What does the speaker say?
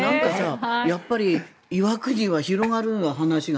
やっぱり岩国は広がるね話が。